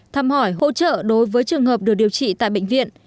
thăm hỏi hỗ trợ đối với trường hợp được điều trị tại bệnh viện